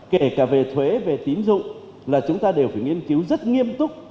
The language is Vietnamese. kể cả về thuế về tín dụng là chúng ta đều phải nghiên cứu rất nghiêm túc